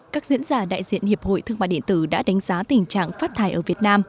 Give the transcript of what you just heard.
các diễn giả đại diện hiệp hội thương mại điện tử đã đánh giá tình trạng phát thải ở việt nam